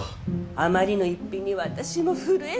あまりの逸品に私も震えましたわ。